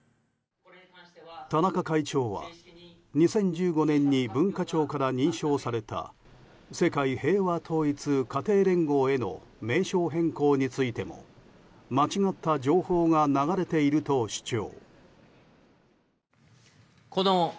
田中会長は２０１５年に文化庁から認証された世界平和統一家庭連合への名称変更についても間違った情報が流れていると主張。